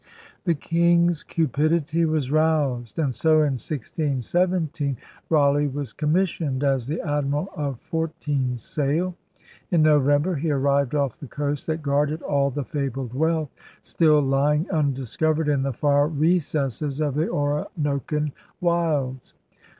The 222 ELIZABETHAN SEA DOGS king's cupidity was roused; and so, in 1617, Raleigh was commissioned as the admiral of four teen sail. In November he arrived off the coast that guarded all the fabled wealth still lying un discovered in the far recesses of the Orinocan wilds.